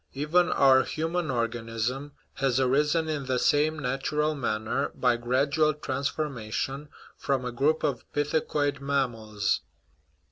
Even our human organism has arisen in the same natural manner, by gradual transformation, from a group of pithecoid mammals.